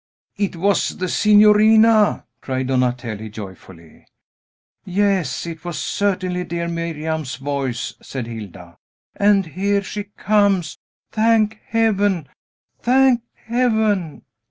"It was the signorina!" cried Donatello joyfully. "Yes; it was certainly dear Miriam's voice," said Hilda. "And here she comes! Thank Heaven! Thank Heaven!"